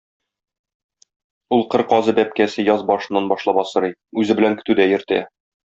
Ул кыр казы бәбкәсе яз башыннан башлап асрый, үзе белән көтүдә йөртә.